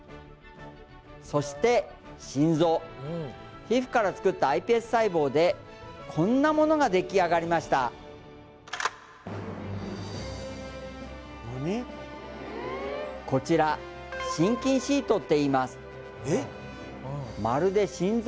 そして心臓皮膚から作ったｉＰＳ細胞でこんなものができあがりましたこちら心筋シートっていいます